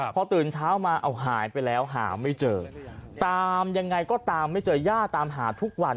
พอตื่นเช้ามาเอาหายไปแล้วหาไม่เจอตามยังไงก็ตามไม่เจอย่าตามหาทุกวัน